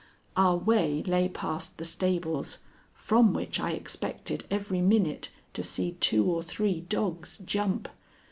Our way lay past the stables, from which I expected every minute to see two or three dogs jump.